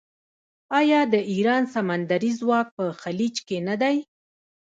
آیا د ایران سمندري ځواک په خلیج کې نه دی؟